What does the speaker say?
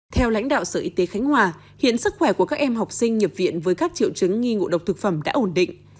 theo lãnh đạo sở y tế khánh hòa hiện sức khỏe của các em học sinh nhập viện với các triệu chứng nghi ngộ độc thực phẩm đã ổn định